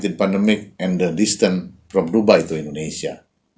dan jauh dari dubai ke indonesia